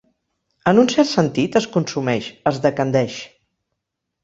En un cert sentit, es consumeix, es decandeix.